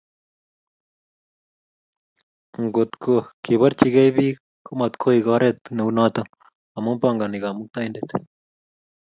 Ngotko keborchikei bik komatkoek oret neunoto amu pangani kamuktaindet